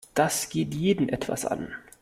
Das geht jeden etwas an.